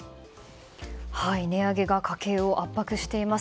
値上げが家庭を圧迫しています。